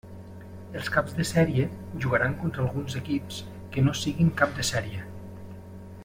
Els caps de sèrie jugaran contra alguns equips que no siguin cap de sèrie.